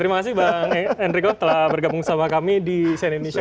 terima kasih bang enrico telah bergabung sama kami di cnn indonesia